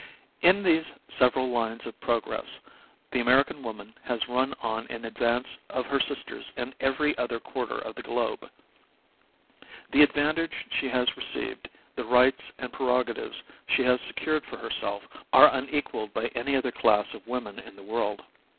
In these several lines of progress the American woman has run on in advance of her sisters in every other quarter of the globe. The advantage, she has received, the rights and prerogatives she has secured for herself, are unequaled by any other class of women in the world.